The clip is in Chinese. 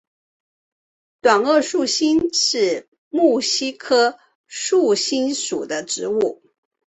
短萼素馨是木犀科素馨属的植物。